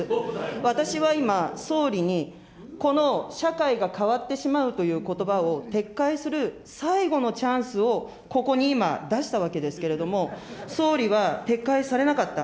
私は今、総理に、この社会が変わってしまうということばを撤回する最後のチャンスをここに今出したわけですけれども、総理は撤回されなかった。